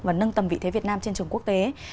và nâng tầm vị thế việt nam trên trường quốc tế